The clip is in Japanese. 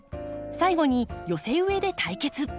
最後に寄せ植えで対決。